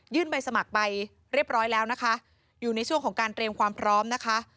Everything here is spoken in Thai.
ใบสมัครไปเรียบร้อยแล้วนะคะอยู่ในช่วงของการเตรียมความพร้อมนะคะ